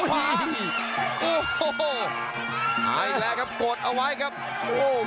พวกทรงมากก็คงสมอสารทางในรบนู้น